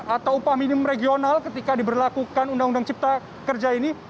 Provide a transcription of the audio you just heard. atau upah minimum regional ketika diberlakukan undang undang cipta kerja ini